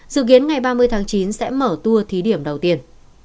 dự kiến ngày ba mươi tháng chín sẽ mở tour thí điểm đầu tiên